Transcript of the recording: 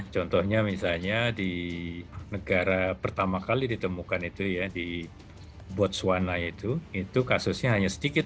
contohnya misalnya di negara pertama kali ditemukan itu ya di botswana itu itu kasusnya hanya sedikit